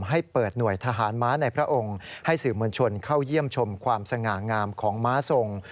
ให้เปิดหน่วยทหารม้าในพระองค์ให้สื่อมวลชนเข้าเยี่ยมชมความสง่างามของม้าทรง